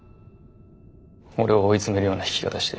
俺を追い詰めるような弾き方して。